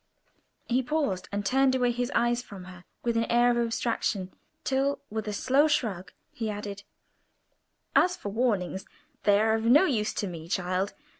He paused, and turned away his eyes from her with an air of abstraction, till, with a slow shrug, he added— "As for warnings, they are of no use to me, child.